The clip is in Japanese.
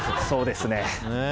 そうですね！